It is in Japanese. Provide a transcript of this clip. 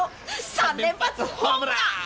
３連発ホームラン！